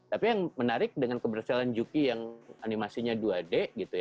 tapi yang menarik dengan keberhasilan juki yang animasinya dua d